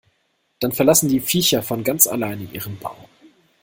Dann verlassen die Viecher von ganz alleine ihren Bau.